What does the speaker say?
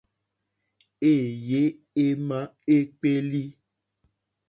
Êyé émá ékpélí.